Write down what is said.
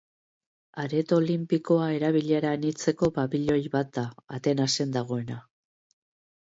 Areto Olinpikoa erabilera-anitzeko pabiloi bat da, Atenasen dagoena.